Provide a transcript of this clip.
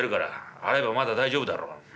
洗えばまだ大丈夫だろ。